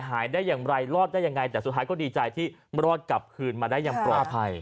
หายได้อย่างไรรอดได้ยังไงแต่สุดท้ายก็ดีใจที่รอดกลับคืนมาได้อย่างปลอดภัย